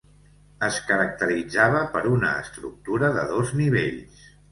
Es caracteritzava per una estructura de dos nivells.